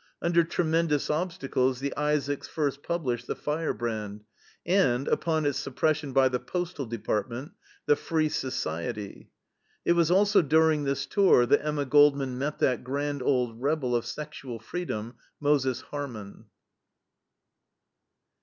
Under tremendous obstacles the Isaaks first published the FIREBRAND and, upon its suppression by the Postal Department, the FREE SOCIETY. It was also during this tour that Emma Goldman met that grand old rebel of sexual freedom, Moses Harman.